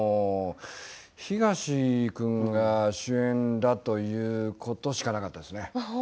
ヒガシ君が主演だということしかなかったですね。